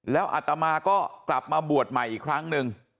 แล้วอัตมาก็กลับมาบวชใหม่อีกครั้งหนึ่ง